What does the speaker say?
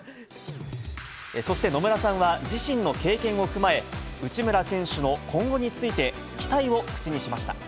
そして野村さんは、自身の経験を踏まえ、内村選手の今後について、期待を口にしました。